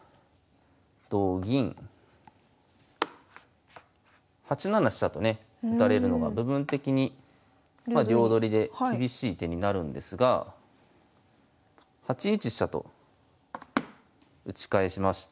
同銀８七飛車とね打たれるのが部分的にまあ両取りで厳しい手になるんですが８一飛車と打ち返しまして。